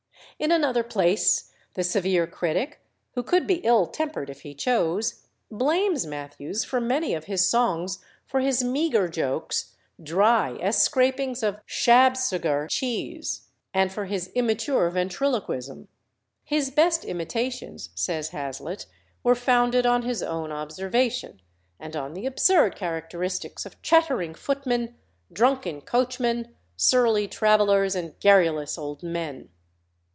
In another place the severe critic, who could be ill tempered if he chose, blames Mathews for many of his songs, for his meagre jokes, dry as scrapings of "Shabsuger cheese," and for his immature ventriloquism. "His best imitations," says Hazlitt, "were founded on his own observation, and on the absurd characteristics of chattering footmen, drunken coachmen, surly travellers, and garrulous old men.